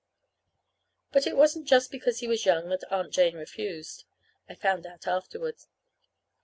But it wasn't just because he was young that Aunt Jane refused. I found out afterward.